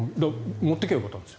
持っていけばよかったんですよ。